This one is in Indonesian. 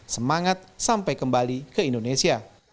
semangat sampai kembali ke indonesia